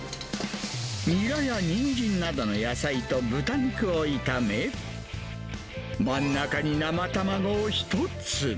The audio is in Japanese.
ニラやニンジンなどの野菜と豚肉を炒め、真ん中に生卵を１つ。